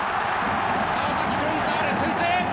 川崎フロンターレ先制！